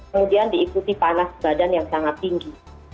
kemudian diikuti panas badan yang sangat tinggi